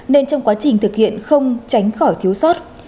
nên trong quá trình thực hiện không tránh khỏi thiếu sót